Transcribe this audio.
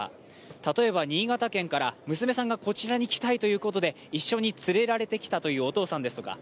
例えば新潟県から娘さんがこちらに来たいということで、一緒に連れられてきたというお父さんですとか